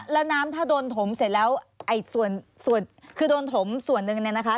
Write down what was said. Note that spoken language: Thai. แล้วน้ำถ้าโดนถมเสร็จแล้วไอ้ส่วนคือโดนถมส่วนหนึ่งเนี่ยนะคะ